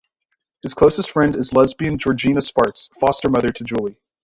His closest friend is lesbian Georgina Sparks, foster-mother to Julie.